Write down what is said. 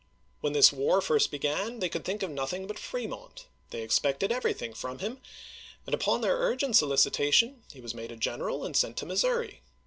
When this war first began they could think of nothing but Fremont ; they expected every thing from him, and upon their earnest solicitation he was made a general and sent to Missouri.